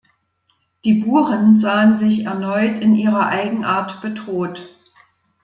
Die Buren sahen sich erneut in ihrer Eigenart bedroht.